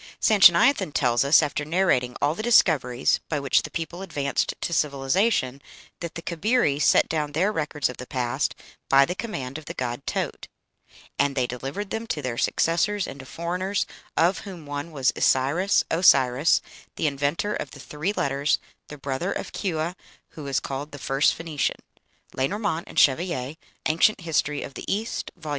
Sanchoniathon tells us, after narrating all the discoveries by which the people advanced to civilization, that the Cabiri set down their records of the past by the command of the god Taaut, "and they delivered them to their successors and to foreigners, of whom one was Isiris (Osiris), the inventor of the three letters, the brother of Chua, who is called the first Phoenician." (Lenormant and Chevallier, "Ancient History of the East," vol.